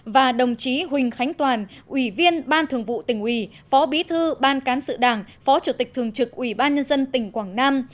và đồng chí huỳnh khánh toàn ủy viên ban thường vụ tỉnh ủy phó bí thư ban cán sự đảng phó chủ tịch thường trực ủy ban nhân dân tỉnh quảng nam